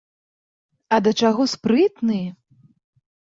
А да чаго спрытны!